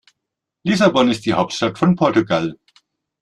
Lissabon ist die Hauptstadt von Portugal.